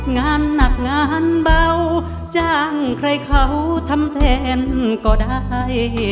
งานหนักงานเบาจ้างใครเขาทำแทนก็ได้